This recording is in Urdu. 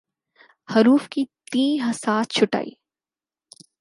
حروف کے تئیں حساس چھٹائی